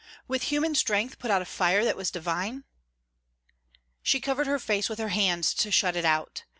With human strength put out a fire that was divine? She covered her face with her hands to shut it out.